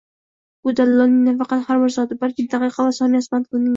Bu dallolning nafaqat har bir soati, balki daqiqa va soniyasi band qilingandi